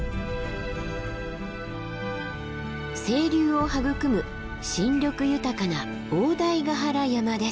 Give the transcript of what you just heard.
清流を育む新緑豊かな大台ヶ原山です。